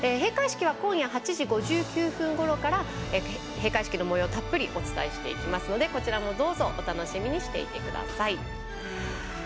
閉会式は今夜８時５９分ごろから閉会式のもようをたっぷりお伝えしていきますのでこちらもどうぞお楽しみにしてください。